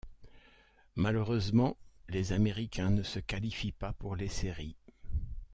Malheureusement, les Americans ne se qualifient pas pour les séries.